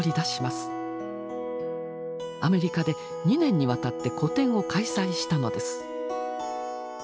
アメリカで２年にわたって個展を開催したのです。